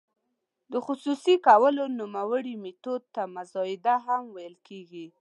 د خصوصي کولو نوموړي میتود ته مزایده هم ویل کیږي.